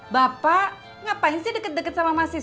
bapak ngapain sih deket deket sama mahasiswa